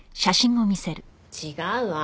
違うわ。